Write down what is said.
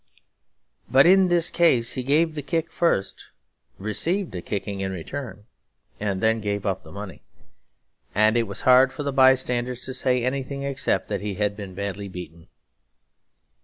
But in this case he gave the kick first, received a kicking in return, and then gave up the money; and it was hard for the bystanders to say anything except that he had been badly beaten.